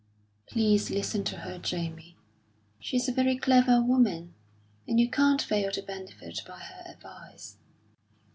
"Please listen to her, Jamie. She's a very clever woman, and you can't fail to benefit by her advice."